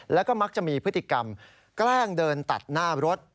แล้วก็มักจะมีพฤติกรรมแกล้งเดินตัดหน้ารถ